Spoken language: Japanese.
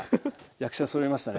役者そろいましたね。